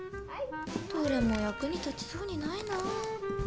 どれも役に立ちそうにないな。